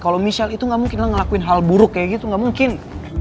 kalau michelle itu gak mungkin lah ngelakuin hal buruk kayak gitu gak mungkin